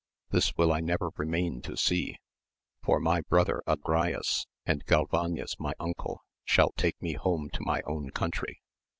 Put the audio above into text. This will I never remain to see : for my brother Agrayes, and Galvanes my Uncle, shall take me home to my own country